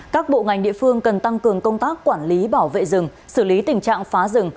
các bộ ngành địa phương cần tăng cường công tác quản lý bảo vệ rừng xử lý tình trạng phá rừng